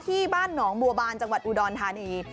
ที่บ้านหนองบัวบานจังหวัดอุดรธานี